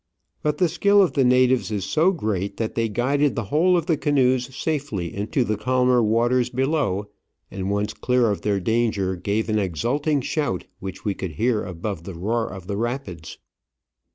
But the skill of the natives is so great that they guided the whole of the canoes safely into the calmer waters below, and, once clear of their danger, gave an exulting shout which we could hear above the roar of the rapids.